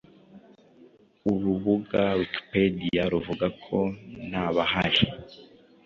Urubuga Wikipedia ruvuga ko ntabahari